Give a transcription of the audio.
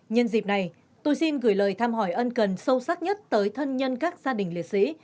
nhân dịp này tôi xin gửi lời thăm hỏi ân cần sâu sắc nhất tới thân nhân các gia đình liệt sĩ